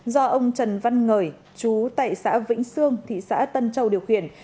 do ông trần văn ngời chú tại xã vĩnh sương thị xã tân châu điều khiển